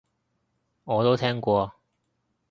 我都聽過